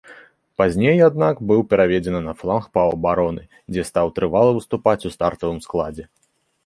Пазней, аднак, быў пераведзены на фланг паўабароны, дзе стаў трывала выступаць у стартавым складзе.